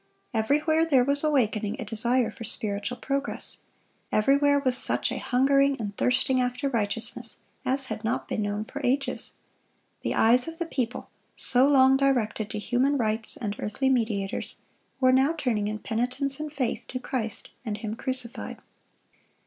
Everywhere there was awakening a desire for spiritual progress. Everywhere was such a hungering and thirsting after righteousness as had not been known for ages. The eyes of the people, so long directed to human rites and earthly mediators, were now turning in penitence and faith to Christ and Him crucified.